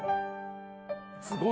すごい！